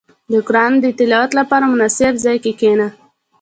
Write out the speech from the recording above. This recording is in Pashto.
• د قران د تلاوت لپاره، مناسب ځای کې کښېنه.